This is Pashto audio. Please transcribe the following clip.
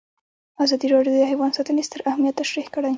ازادي راډیو د حیوان ساتنه ستر اهميت تشریح کړی.